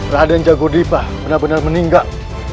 raden jagodipa benar benar meninggal